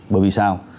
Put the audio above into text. bởi vì sao